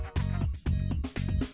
hẹn gặp lại